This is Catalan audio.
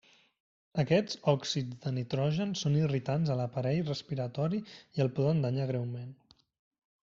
Aquests òxids de nitrogen són irritants a l'aparell respiratori i el poden danyar greument.